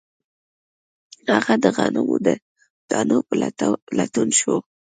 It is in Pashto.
هغه د غنمو د دانو په لټون شو